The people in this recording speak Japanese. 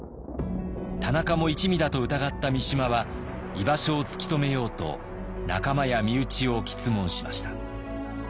田中も一味だと疑った三島は居場所を突き止めようと仲間や身内を詰問しました。